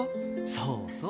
そうそう。